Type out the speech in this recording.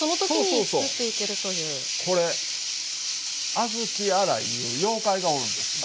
これ「小豆洗い」いう妖怪がおるんですよ。